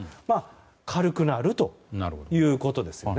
軽くなるということですね。